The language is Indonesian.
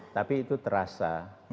tapi itu terasa